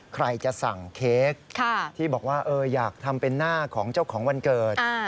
ใครจะสั่งเค้กที่บอกว่าอยากทำเป็นหน้าของเจ้าของวันเกิด